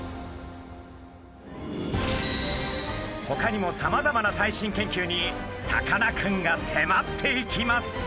ほかにもさまざまな最新研究にさかなクンが迫っていきます。